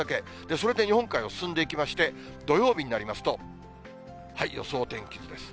それで日本海を進んでいきまして、土曜日になりますと、予想天気図です。